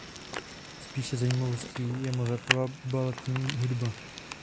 Spíše zajímavostí je Mozartova baletní hudba.